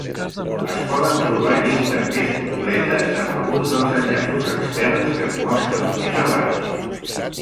Es poden trobar llistes més completes en alguns del enllaços externs que es mostren més abaix.